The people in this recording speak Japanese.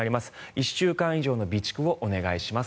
１週間以上の備蓄をお願いします。